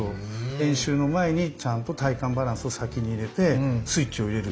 練習の前にちゃんと体幹バランスを先に入れてスイッチを入れる。